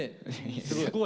すごい！